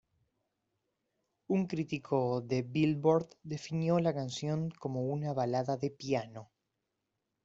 Un crítico de "Billboard" definió la canción como una balada de piano.